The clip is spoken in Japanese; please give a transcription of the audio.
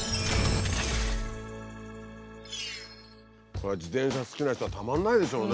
これは自転車好きな人はたまんないでしょうね。